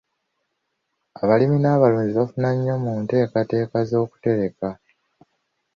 Abalimi n'abalunzi bafuna nnyo mu nteekateeka z'okutereka